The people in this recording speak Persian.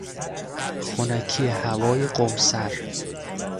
خنکی هوای قمصر